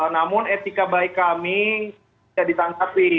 namun etika baik kami tidak ditangkapi